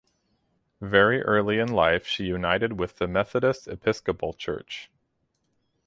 Very early in life she united with the Methodist Episcopal Church.